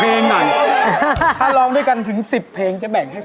เราก็จะเรียกถ้าร้องด้วยกันถึง๑๐เพลงจะแบ่งให้มัน